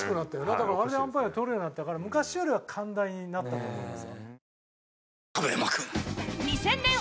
だからあれアンパイア取るようになったから昔よりは寛大になったと思いますよ。